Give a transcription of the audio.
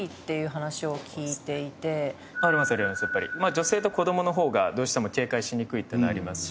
女性と子どもの方がどうしても警戒しにくいっていうのありますし。